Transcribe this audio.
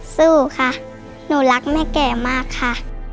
สู้ค่ะหนูรักแม่แก่มากค่ะ